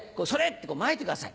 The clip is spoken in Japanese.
ってまいてください。